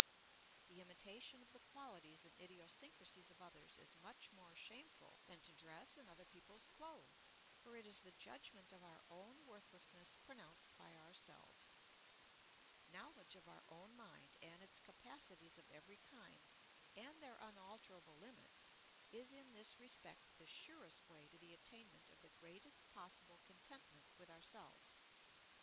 The imitation of the qualities and idiosyncrasies of others is much more shameful than to dress in other people's clothes; for it is the judgment of our own worthlessness pronounced by ourselves. Knowledge of our own mind and its capacities of every kind, and their unalterable limits, is in this respect the surest way to the attainment of the greatest possible contentment with ourselves.